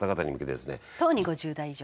とうに５０代以上。